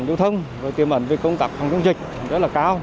tiêu thông tiềm ẩn về công tác phòng dịch rất là cao